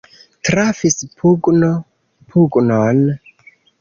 Trafis pugno pugnon.